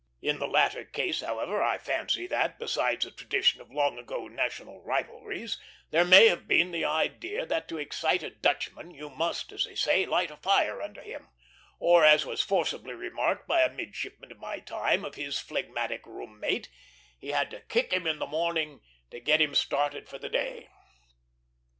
In the latter case, however, I fancy that, besides the tradition of long ago national rivalries, there may have been the idea that to excite a Dutchman you must, as they say, light a fire under him; or as was forcibly remarked by a midshipman of my time of his phlegmatic room mate, he had to kick him in the morning to get him started for the day.